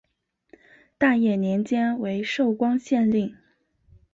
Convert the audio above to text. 大业年间为寿光县令。